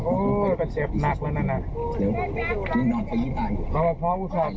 โอ้เป็นเสพหนักแล้วนั่น